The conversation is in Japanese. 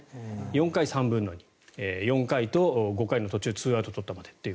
４回３分の２４回と５回の途中で２アウトを取ったまでと。